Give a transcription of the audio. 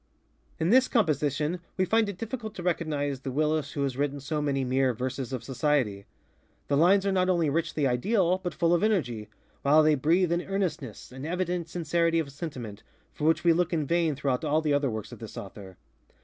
In this composition we find it difficult to recognize the Willis who has written so many mere ŌĆ£verses of society. ŌĆØ The lines are not only richly ideal, but full of energy, while they breathe an earnestness, an evident sincerity of sentiment, for which we look in vain throughout all the other works of this author.